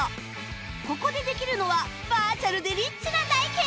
ここでできるのはバーチャルでリッチな体験